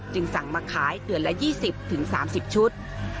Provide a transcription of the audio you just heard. สั่งมาขายเดือนละ๒๐๓๐ชุด